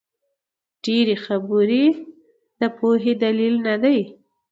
ډېري خبري د پوهي دلیل نه دئ.